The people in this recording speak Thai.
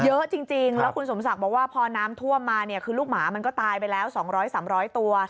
เยอะจริงแล้วคุณสมศักดิ์บอกว่าพอน้ำท่วมมาเนี่ยคือลูกหมามันก็ตายไปแล้ว๒๐๐๓๐๐ตัว